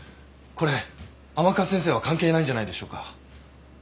これ甘春先生は関係ないんじゃないでしょうか。